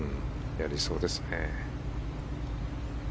やりそうですね。